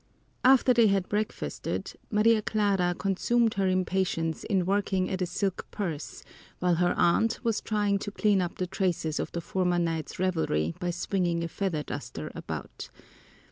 After they had breakfasted, Maria Clara consumed her impatience in working at a silk purse while her aunt was trying to clean up the traces of the former night's revelry by swinging a feather duster about.